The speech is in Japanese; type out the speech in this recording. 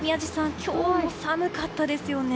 今日も寒かったですよね。